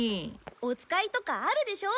お使いとかあるでしょ？